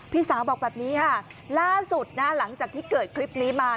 พี่สาวบอกแบบนี้ค่ะล่าสุดนะหลังจากที่เกิดคลิปนี้มา